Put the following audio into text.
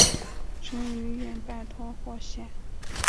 淳于衍拜托霍显。